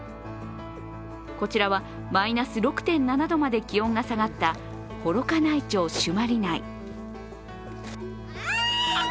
こちらはマイナス６．７度まで気温が下がった幌加内町朱鞠内。